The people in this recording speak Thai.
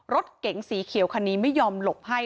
รถเก๋งสีเขียวคันนี้ไม่ยอมหลบให้